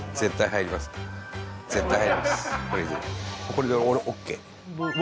これで俺ＯＫうわ